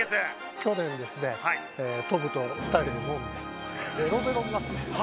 去年ですねトムと２人で飲んでベロベロになって。